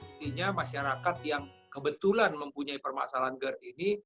artinya masyarakat yang kebetulan mempunyai permasalahan gerd ini